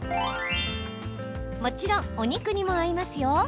もちろん、お肉にも合いますよ。